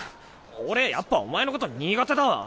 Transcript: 俺やっぱお前のこと苦手だわ！